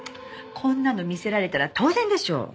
こんなの見せられたら当然でしょ。